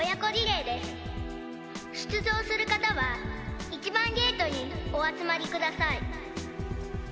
「出場する方は１番ゲートにお集まりください」